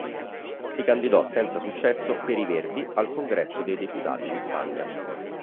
Si candidò senza successo per i Verdi al Congresso dei Deputati di Spagna.